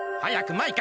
マイカ！